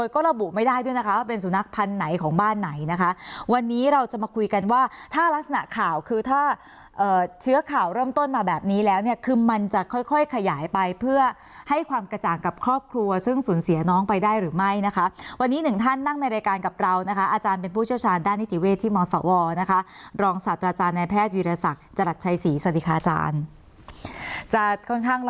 ของบ้านไหนนะคะวันนี้เราจะมาคุยกันว่าถ้ารักษณะข่าวคือถ้าเชื้อข่าวเริ่มต้นมาแบบนี้แล้วมันจะค่อยขยายไปเพื่อให้ความกระจ่างกับครอบครัวซึ่งสูญเสียน้องไปได้หรือไม่นะคะวันนี้หนึ่งท่านนั่งในรายการกับเรานะคะอาจารย์เป็นผู้เชี่ยวชาญ